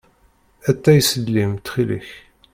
Atay s llim, ttxil-k.